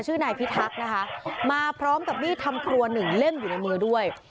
นายพิทักษ์นะคะมาพร้อมกับมีดทำครัวหนึ่งเล่มอยู่ในมือด้วย